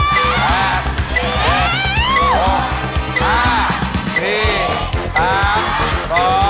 ใครรู้ว่าไม่ถึงไปเร็ว